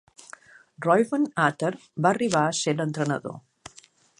Reuven Atar va arribar a ser l'entrenador.